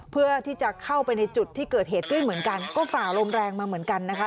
เพื่อที่จะเข้าไปในจุดที่เกิดเหตุด้วยเหมือนกันก็ฝ่าลมแรงมาเหมือนกันนะคะ